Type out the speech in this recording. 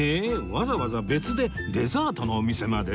わざわざ別でデザートのお店まで！？